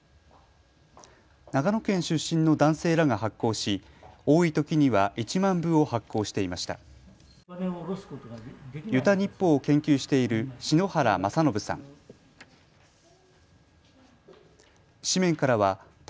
長野県出身の男性らが発行し、多いときには１万部を発行していました。